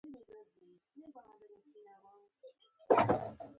په باراني کوټ کې چنداني لویه نه ښکارېده.